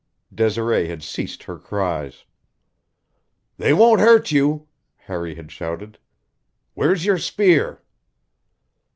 Desiree had ceased her cries. "They won't hurt you!" Harry had shouted. "Where's your spear?"